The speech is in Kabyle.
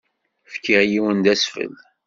Fkiɣ yiwen d asfel.